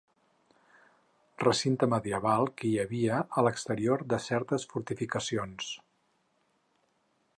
Recinte medieval que hi havia a l'exterior de certes fortificacions.